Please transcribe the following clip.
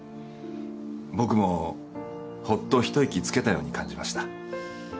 僕もほっと一息つけたように感じました